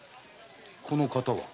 この方は？